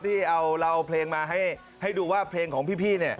ที่เอาเราเพลงมาให้ให้ดูว่าเพลงของพี่นี่